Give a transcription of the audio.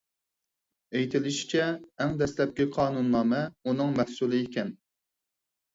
ئېيتىلىشىچە، ئەڭ دەسلەپكى قانۇننامە ئۇنىڭ مەھسۇلى ئىكەن.